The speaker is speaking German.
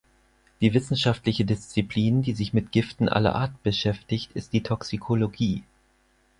Die wissenschaftliche Disziplin, die sich mit Giften aller Art beschäftigt, ist die Toxikologie.